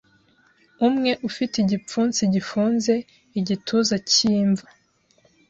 Umwe ufite igipfunsi gifunze igituza cy'imva